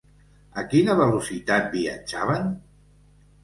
A quina velocitat viatjaven?